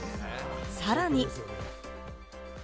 さらに。